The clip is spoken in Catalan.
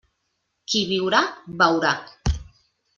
Qui viurà, veurà.